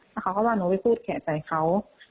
แล้วเขาก็ว่าหนูไปพูดแขกใจเขา